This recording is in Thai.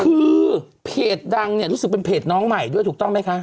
คือเพจดังเนี่ยรู้สึกเป็นเพจน้องใหม่ด้วยถูกต้องไหมคะ